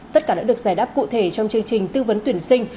tất cả đã được giải đáp cụ thể trong chương trình tư vấn tuyển sinh